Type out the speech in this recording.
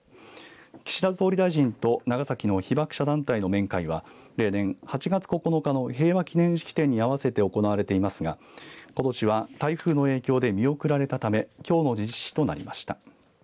岸田総理大臣と長崎の被爆者団体の面会は例年、８月９日の平和祈念式典に行われていますがことしは台風の影響で見送られたためきょうの実施となりました。